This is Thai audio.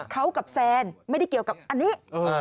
เขากับแซนไม่ได้เกี่ยวกับอันนี้